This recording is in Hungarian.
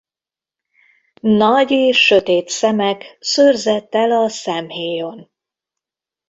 Nagy és sötét szemek szőrzettel a szemhéjon.